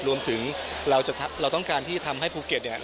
รวมถึงเราต้องการที่ทำให้ภูเก็ตเนี่ย